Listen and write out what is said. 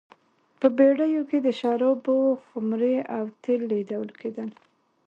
په بېړیو کې د شرابو خُمرې او تېل لېږدول کېدل.